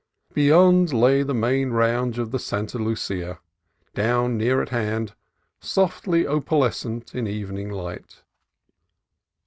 Beyond lay the main range of the Santa Lucia, now near at hand, softly opalescent in evening light.